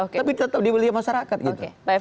tapi tetap dibeli masyarakat gitu